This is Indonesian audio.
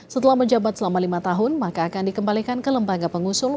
setelah menjabat selama lima tahun maka akan dikembalikan ke lembaga pengusul